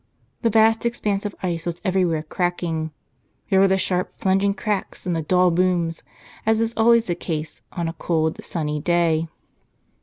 The vast expanse of ice was everywhere cracking. There were the sharp, plunging cracks and the dull booms, as is always the case on a cold, sunny day.